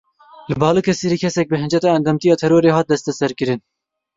Li Balikesirê kesek bi hinceta endamtiya terorê hat desteserkirin.